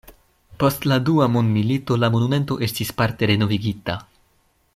Post la dua mondmilito la monumento estis parte renovigita.